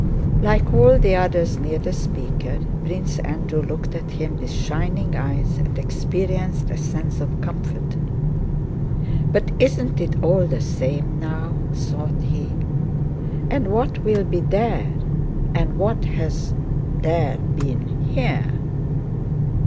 Like all the others near the speaker, Prince Andrew looked at him with shining eyes and experienced a sense of comfort. "But isn't it all the same now?" thought he. "And what will be there, and what has there been here?